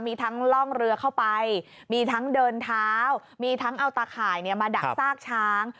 มีทั้งล่องเรือเข้าไปมีทั้งเดินเท้ามีทั้งเอาตาข่ายมาดักซากช้าง